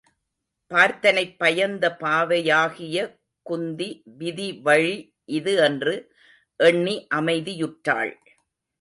பார்த்தனைப் பயந்த பாவை யாகிய குந்தி விதி வழி இது என்று எண்ணி அமைதியுற்றாள்.